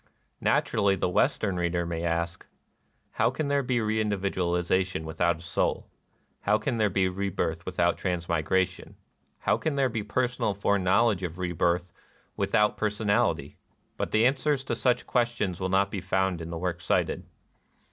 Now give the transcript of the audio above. Naturally the Western reader may ask, — "How can there be reindividualization with out a soul ? How can there be rebirth without transmigration? How can there be personal foreknowledge of rebirth without personal ity?" But the answers to such questions will not be found in the work cited.